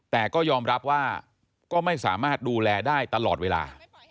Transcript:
แต่ก็ยอมรับว่าก็ไม่สามารถดูแลได้ตลอดเวลา